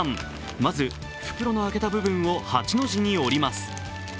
まず袋の開けた部分を八の字に折ります。